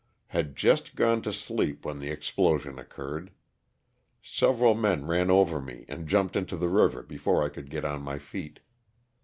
Had just gone to sleep when the explosion occurred. Sev eral men ran over me and jumped into the river before I could get on my feet.